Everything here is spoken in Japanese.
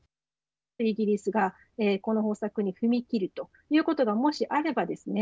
イギリスがこの方策に踏み切るということがもし、あればですね